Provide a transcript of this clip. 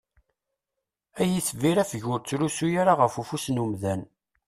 Ay itbir afeg ur ttrusu ara ɣef ufus n umdan!